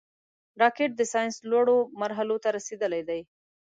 راکټ د ساینس لوړو مرحلو ته رسېدلی دی